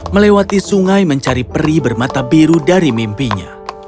melewati sungai mencari peri bermata biru dari mimpinya